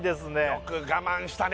よく我慢したね